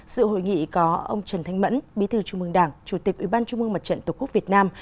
sự hội nghị có ông trần thanh mẫn bí thư trung mương đảng chủ tịch ủy ban trung mương mặt trận tổ quốc việt nam